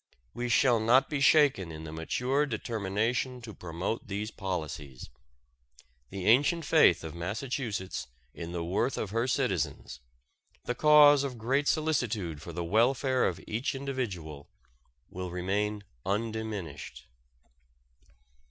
We shall not be shaken in the mature determination to promote these policies. The ancient faith of Massachusetts in the worth of her citizens, the cause of great solicitude for the welfare of each individual, will remain undiminished.